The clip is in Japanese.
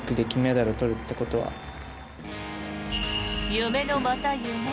夢のまた夢。